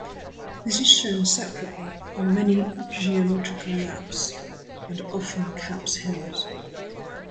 This is shown separately on many geological maps, and often caps hills.